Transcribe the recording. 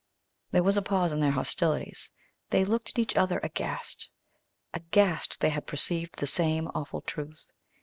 There was a pause in their hostilities. They looked at each other aghast. Aghast, they had perceived the same awful truth.